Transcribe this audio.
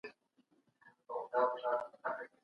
نوې څېړنې د علتونو په پېژندلو تمرکز کوي.